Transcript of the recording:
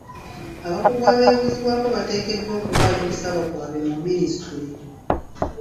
Abakugu abeebuuzibwako bateekeddwa okuwaayo okusaba kwaabwe mu minisitule